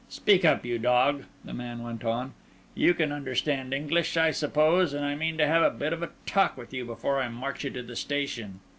Speak up, you dog," the man went on; "you can understand English, I suppose; and I mean to have a bit of talk with you before I march you to the station."